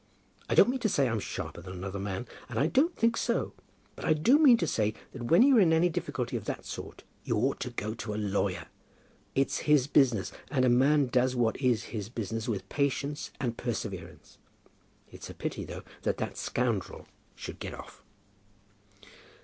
I don't mean to say that I'm sharper than another man, and I don't think so; but I do mean to say that when you are in any difficulty of that sort, you ought to go to a lawyer. It's his business, and a man does what is his business with patience and perseverance. It's a pity, though, that that scoundrel should get off."